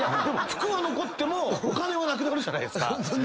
でも服は残ってもお金はなくなるじゃないですか。